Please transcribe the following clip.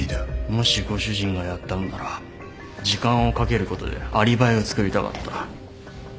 もしご主人がやったのなら時間をかけることでアリバイをつくりたかった。